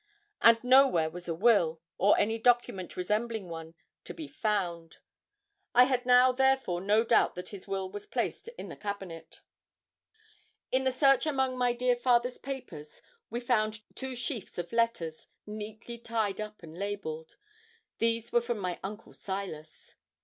But nowhere was a will, or any document resembling one, to be found. I had now, therefore, no doubt that his will was placed in the cabinet. In the search among my dear father's papers we found two sheafs of letters, neatly tied up and labelled these were from my uncle Silas.